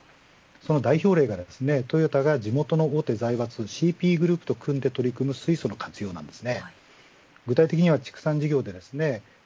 その代表例がトヨタが地元の大手財閥ＣＰグループと組んで取り込む水素の活用なんです。